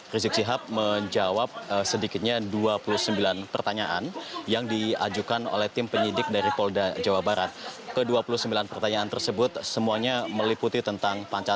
rizik shihab berkata